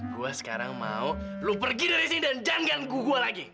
gue sekarang mau lo pergi dari sini dan janggal gue lagi